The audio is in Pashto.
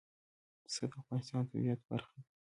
پسه د افغانستان د طبیعت برخه ده.